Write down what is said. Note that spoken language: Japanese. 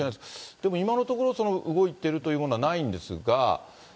でも今のところ、動いているというものはないんですが。